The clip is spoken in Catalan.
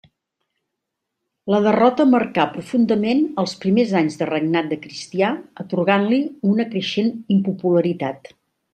La derrota marcà profundament els primers anys de regnat de Cristià atorgant-li una creixent impopularitat.